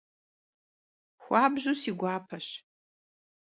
Xuabju si guapeş.